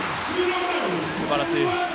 すばらしい。